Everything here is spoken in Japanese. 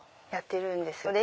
やってるんです。